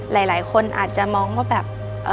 หลายคนอาจจะมองว่าแบบ